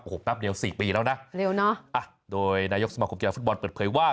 โอ้โหแป๊บเดียว๔ปีแล้วนะเร็วเนอะอ่ะโดยนายกสมาคมกีฬาฟุตบอลเปิดเผยว่า